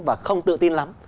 và không tự tin lắm